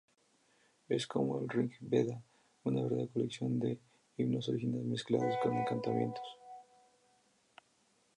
Es —como el "Rig-veda"— una verdadera colección de himnos originales mezclados con encantamientos.